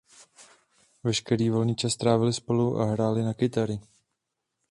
Veškerý volný čas trávili spolu a hráli na kytary.